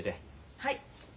はい。